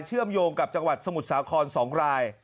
เชื่อมโยงกับจังหวัดสมุทรสาคร๒ราย